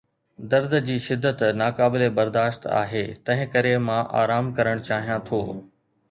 درد جي شدت ناقابل برداشت آهي، تنهنڪري مان آرام ڪرڻ چاهيان ٿو.